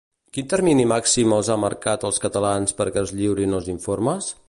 Quin termini màxim els han marcat als catalans perquè els lliurin els informes?